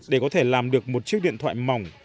để có thể làm được một chiếc điện thoại mỏng